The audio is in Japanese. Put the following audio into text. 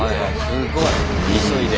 すごい急いで。